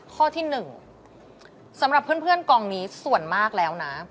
ข้อที่๑สำหรับเพื่อนกองนี้ส่วนมากแล้วนะ